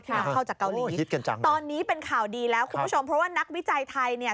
ที่มาเข้าจากเกาหลีตอนนี้เป็นข่าวดีแล้วคุณผู้ชมเพราะว่านักวิจัยไทย